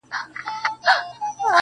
څنګه به رنځور له غمه څنګه به فنا شول